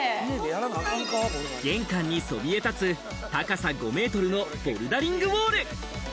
玄関にそびえ立つ高さ５ｍのボルダリングウォール。